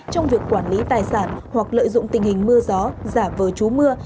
trong việc quản lý tài sản hoặc lợi dụng tình hình mưa gió giả vờ chú mưa